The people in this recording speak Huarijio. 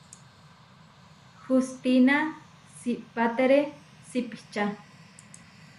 Hustína siʼpátere sipičá.